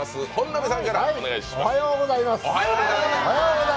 おはようございます。